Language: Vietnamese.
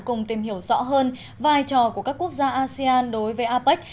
cùng tìm hiểu rõ hơn vai trò của các quốc gia asean đối với apec